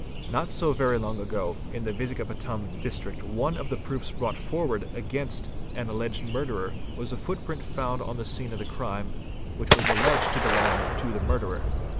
Not so very long ago in the Vizagapatam District one of the proofs brought forward against an alleged murderer was a footprint found on the scene of the crime, which was alleged to belong to the murderer.